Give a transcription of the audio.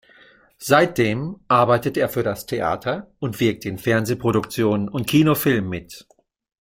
Seitdem arbeitet er für das Theater und wirkt in Fernsehproduktionen und Kinofilmen mit.